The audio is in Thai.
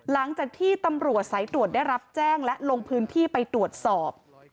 หลังจากที่ตำรวจสายตรวจได้รับแจ้งและลงพื้นที่ไปตรวจสอบ